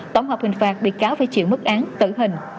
tổng hợp hình phạt bị cáo phải chịu mức án tử hình